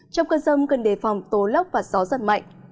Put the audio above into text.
trong cơn rông cần đề phòng tố lốc và gió giật mạnh